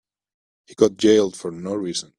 He got jailed for no reason.